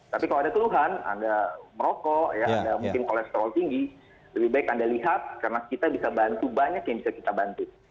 tapi kalau ada keluhan anda merokok anda mungkin kolesterol tinggi lebih baik anda lihat karena kita bisa bantu banyak yang bisa kita bantu